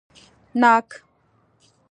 🍐ناک